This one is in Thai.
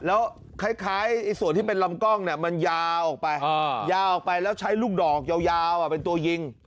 แล้วคล้ายส่วนที่เป็นลำกล้องเนี่ยมันยาวออกไปยาวออกไปแล้วใช้ลูกดอกยาวเป็นตัวยิง